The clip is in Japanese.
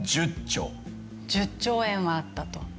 １０兆円はあったと。